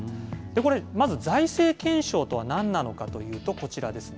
これ、まず財政検証とはなんなのかというと、こちらです。